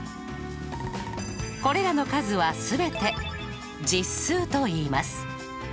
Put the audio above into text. これらの数は全て実数といいます。